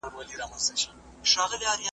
د یوویشتمي پېړۍ په درېیمه لسیزه کي `